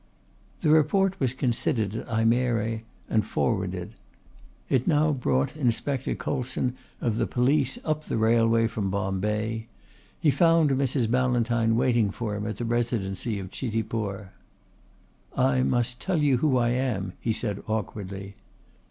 The report was considered at Ajmere and forwarded. It now brought Inspector Coluson of the Police up the railway from Bombay. He found Mrs. Ballantyne waiting for him at the Residency of Chitipur. "I must tell you who I am," he said awkwardly.